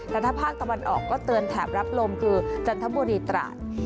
แต่ถ้าภาคตะวันออกก็เตือนแถบรับลมคือจันทบุรีตราด